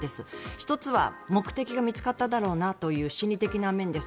１つは目的が見つかっただろうなという心理的な面です。